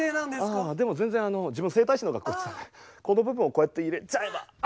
ああでも全然自分整体師の学校行ってたんでこの部分をこうやって入れちゃえばあ